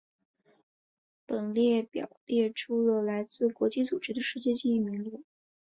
本列表列出了来自国际组织的世界记忆名录。